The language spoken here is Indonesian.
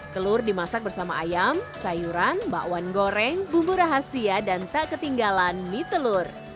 telur dimasak bersama ayam sayuran bakwan goreng bumbu rahasia dan tak ketinggalan mie telur